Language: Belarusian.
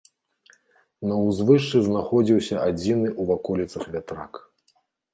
На ўзвышшы знаходзіўся адзіны ў ваколіцах вятрак.